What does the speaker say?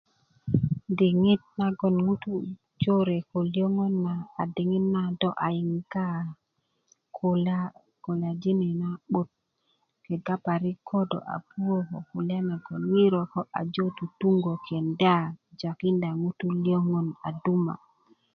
diŋit nagoŋ ŋutu a jore' ko löŋön na a diŋit nagoŋ do a yiŋgs kulya kulyjini' na'but kega parik ko do a puwö ko kulya nagoŋ ŋiro lo ajo tutuŋgö jakinda ŋutu lyöŋön a duma'